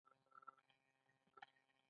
دا د پایلې اخیستنې او ارزیابۍ مرحله ده.